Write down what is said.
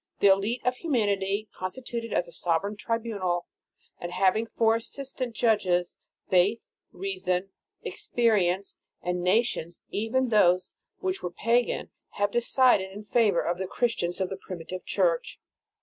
The elite of humanity, constituted as a sovereign tribunal, and having for assistant judges, faith, reason, experience, and nations, even those which were pagan, have decided in favor of the Christians of the primitive Church.